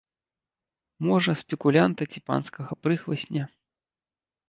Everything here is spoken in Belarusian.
Можа, спекулянта ці панскага прыхвасня.